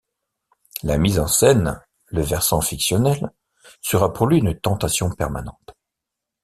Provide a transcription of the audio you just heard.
La mise en scène, le versant fictionnel, sera pour lui une tentation permanente.